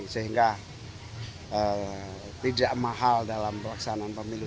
sehingga tidak mahal dalam pelaksanaan pemilu